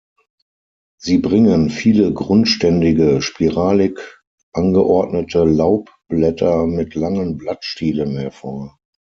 Sie bringen viele grundständige, spiralig angeordnete Laubblätter mit langen Blattstielen hervor.